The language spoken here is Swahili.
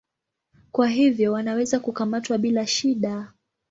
Kwa hivyo wanaweza kukamatwa bila shida.